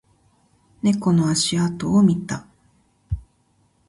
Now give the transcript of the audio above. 猫の足跡を見た